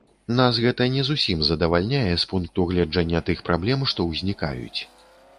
Нас гэта не зусім задавальняе з пункту гледжання тых праблем, што ўзнікаюць.